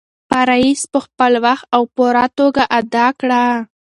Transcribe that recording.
فرایض په خپل وخت او پوره توګه ادا کړه.